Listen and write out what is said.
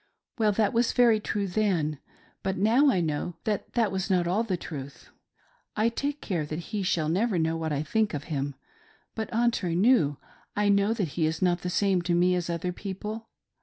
Well, that was very true then, but now I know that it was not all the truth. I take care that he shall never know what I think of him, but, entre nous, I know that he is not the same to me as other people.